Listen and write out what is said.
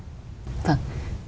để chúng ta có thể